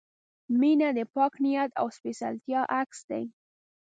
• مینه د پاک نیت او سپېڅلتیا عکس دی.